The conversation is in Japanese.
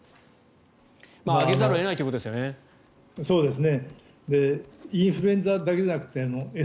上げざるを得ないというところですよね。